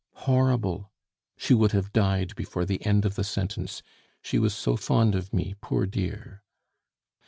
horrible she would have died before the end of the sentence, she was so fond of me, poor dear!